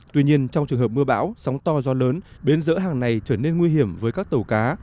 tuy nhiên trong trường hợp mưa bão sóng to gió lớn bến dỡ hàng này trở nên nguy hiểm với các tàu cá